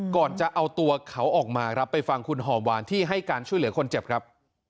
ก่อนจะเอาตัวเขาออกมาครับไปฟังคุณหอมหวานที่ให้การช่วยเหลือคนเจ็บครับ